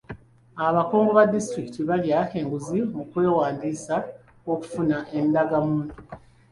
Abakungu ba disitulikit baalya enguzi mu kwewandiisa kw'okufuna endagamuntu.